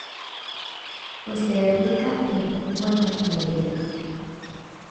Posee rica y antigua imaginería.